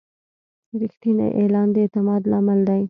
رښتینی اعلان د اعتماد لامل دی.